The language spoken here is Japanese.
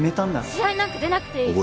試合なんか出なくていい。